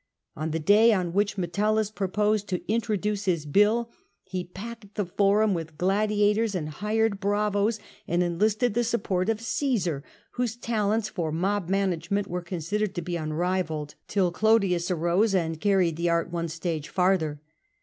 On the day on which Metellus proposed to introduce his bill, he packed the Forum with gladiators and hired bravos, and 'enlisted the support of Osesar, whose talents for mob management were considered to be unrivalled, till Olodius arose and carried the art one stage farther.